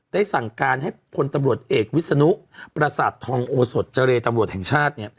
ได้สั่งการให้คนตำรวจเอกวิสนุปราศาสตร์ทองโอสดเจรตรแห่งชาติ